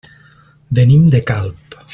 Venim de Calp.